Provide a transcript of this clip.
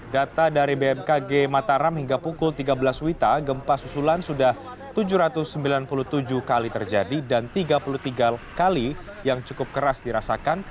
data dari bmkg mataram hingga pukul tiga belas wita gempa susulan sudah tujuh ratus sembilan puluh tujuh kali terjadi dan tiga puluh tiga kali yang cukup keras dirasakan